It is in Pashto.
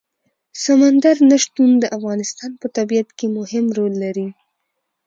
سمندر نه شتون د افغانستان په طبیعت کې مهم رول لري.